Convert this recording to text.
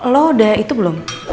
lo udah itu belum